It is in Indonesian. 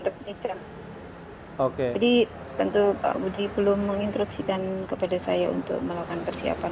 jadi tentu pak budi belum menginstruksikan kepada saya untuk melakukan persiapan